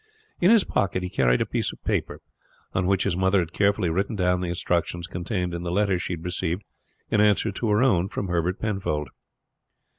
In his pocket he carried a piece of paper, on which his mother had carefully written down the instructions contained in the letter she had received in answer to her own from Herbert Penfold.